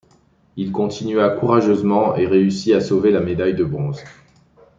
Il continua courageusement et réussit à sauver la médaille de bronze.